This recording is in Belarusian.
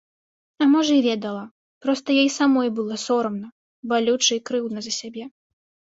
А можа і ведала, проста ёй самой было сорамна, балюча і крыўдна за сябе.